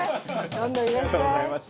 どんどんいらっしゃい！